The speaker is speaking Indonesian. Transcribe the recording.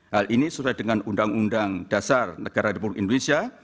hal ini sesuai dengan undang undang dasar negara republik indonesia